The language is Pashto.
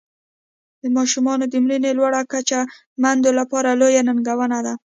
د ماشومانو د مړینې لوړه کچه میندو لپاره لویه ننګونه ده.